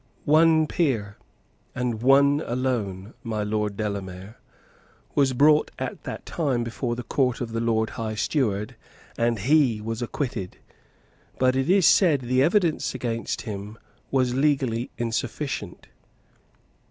One peer, and one alone, my Lord Delamere, was brought at that time before the Court of the Lord High Steward; and he was acquitted. But, it is said, the evidence against him was legally insufficient.